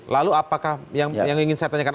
lalu apakah yang ingin saya tanyakan